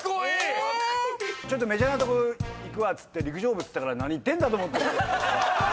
メジャーなとこいくわっつって「陸上部」っつったから何言ってんだ⁉と思って。